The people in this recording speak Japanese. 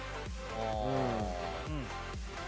うん。